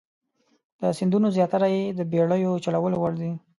د سیندونو زیاتره یې د بیړیو چلولو وړ دي.